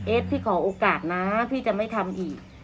พี่ขอโอกาสนะพี่จะไม่ทำอีก